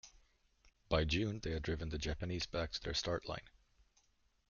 By June they had driven the Japanese back to their start line.